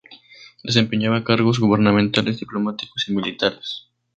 Desempeñaban cargos gubernamentales, diplomáticos y militares.